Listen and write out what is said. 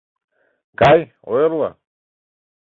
— Кай, ойырло!